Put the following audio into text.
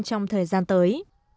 trong thời gian tới